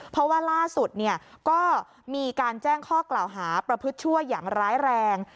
เพราะว่าล่าสุดก็มีการแจ้งข้อกล่าวหาประพฤติชั่วอย่างร้ายแรง